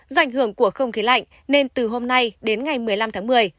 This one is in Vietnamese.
do ảnh hưởng của không khí lạnh nên từ hôm nay đến ngày một mươi năm tháng một mươi